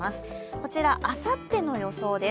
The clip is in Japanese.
こちらあさっての予想です。